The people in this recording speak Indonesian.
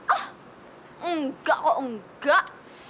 ah enggak kok enggak